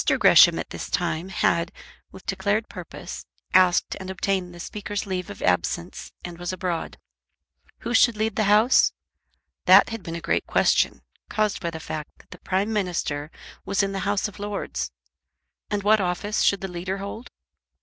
Gresham at this time had, with declared purpose, asked and obtained the Speaker's leave of absence and was abroad. Who should lead the House? That had been a great question, caused by the fact that the Prime Minister was in the House of Lords; and what office should the Leader hold?